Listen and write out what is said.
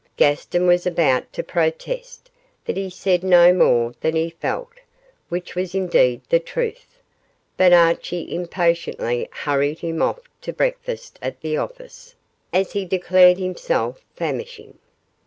Gaston was about to protest that he said no more than he felt, which was indeed the truth, but Archie impatiently hurried him off to breakfast at the office, as he declared himself famishing.